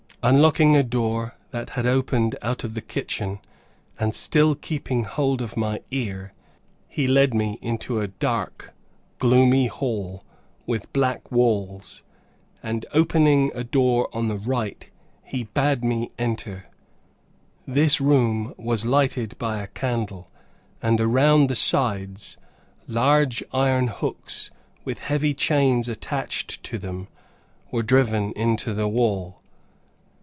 Unlocking a door that opened out of the kitchen, and still keeping hold of my ear, he led me into a dark, gloomy hall, with black walls, and opening a door on the right, he bade me enter. This room was lighted by a candle, and around the sides, large iron hooks with heavy chains attached to them, were driven into the wall.